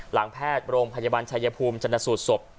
หลังแพทย์โรงพยาบาลชายพุมจรรย์สูตรศพ